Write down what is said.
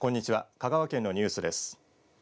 香川県のニュースです。